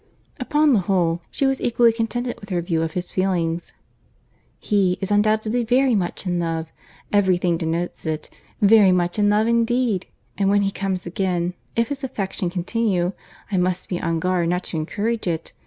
Upon the whole, she was equally contented with her view of his feelings. "He is undoubtedly very much in love—every thing denotes it—very much in love indeed!—and when he comes again, if his affection continue, I must be on my guard not to encourage it.